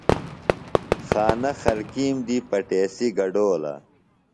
خانہ خلکیم دی پٹیسی گڈولہ۔